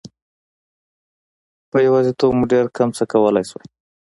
په یوازیتوب موږ ډېر کم څه کولای شو.